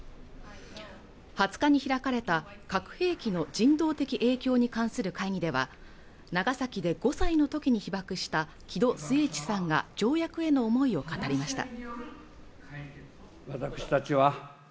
２０日に開かれた核兵器の人道的影響に関する会議では長崎で５歳のときに被爆した木戸季市さんが条約への思いを語りました